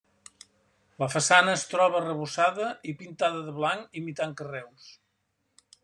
La façana es troba arrebossada i pintada de blanc, imitant carreus.